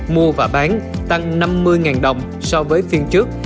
mua và bán tăng năm mươi đồng so với phiên trước